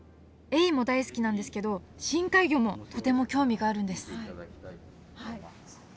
エイも大好きなんですけど深海魚もとても興味があるんですはい。